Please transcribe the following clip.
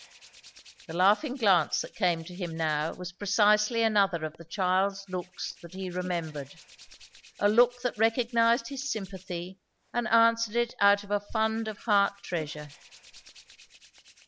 The laughing glance that came to him now was precisely another of the child's looks that he remembered; a look that recognized his sympathy, and answered it out of a fund of heart treasure.